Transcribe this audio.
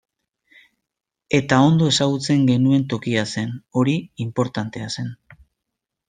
Eta ondo ezagutzen genuen tokia zen, hori inportantea zen.